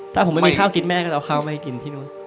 ถ้าผมไม่มีข้าวกินแม่ก็จะเอาข้าวมาให้กินที่นู่น